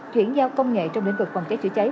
chuyển giao công nghệ trong lĩnh vực phòng cháy chữa cháy